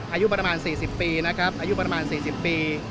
อายุประมาณ๔๐ปีนะครับอายุประมาณ๔๐ปี